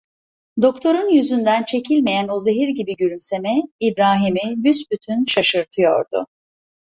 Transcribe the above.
Doktorun yüzünden çekilmeyen o zehir gibi gülümseme İbrahim'i büsbütün şaşırtıyordu.